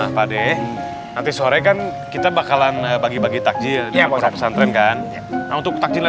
apa deh nanti sore kan kita bakalan bagi bagi takjil ya buat santren kan untuk takjilnya